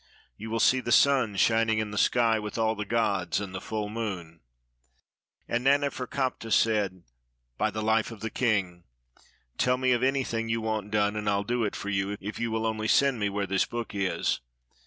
You will see the sun shining in the sky, with all the gods, and the full moon." And Naneferkaptah said, '*By the Hfe of the king! Tell me of anything you want done, and I'll do it for you, if you wall only send me where this book is."